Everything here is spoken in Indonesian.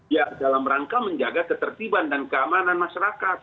ya dalam rangka menjaga ketertiban dan keamanan masyarakat